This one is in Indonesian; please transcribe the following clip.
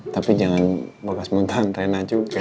tapi jangan bekas mentahan rena juga